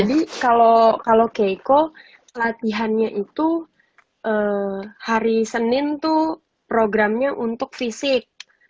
jadi kalau kalau keiko latihannya itu hari senin tuh programnya untuk fisik